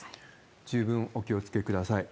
十分お気をつけください。